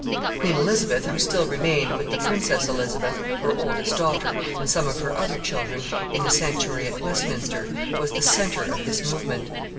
Queen Elizabeth, who still remained, with the Princess Elizabeth, her oldest daughter, and some of her other children, in the sanctuary at Westminster, was the centre of this movement.